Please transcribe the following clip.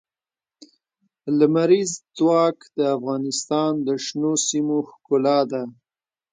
لمریز ځواک د افغانستان د شنو سیمو ښکلا ده.